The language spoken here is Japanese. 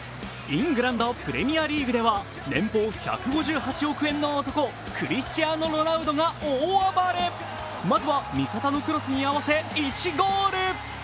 イングランド・プレミアリーグでは年俸１５８億円の男、クリスチアーノ・ロナウドが大暴れまずは味方のクロスに合わせて１ゴール。